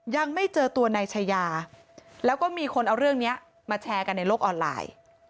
ยังไม่เจอตัวนายชายาแล้วก็มีคนเอาเรื่องนี้มาแชร์กันในโลกออนไลน์